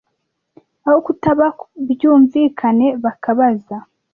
aho kutaba byumvikane bakabaza